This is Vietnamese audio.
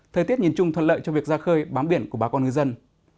thời tiết nhìn chung thuận lợi cho việc ra khơi bám biển của bà con ngư dân